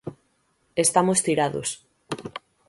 Estamos tirados.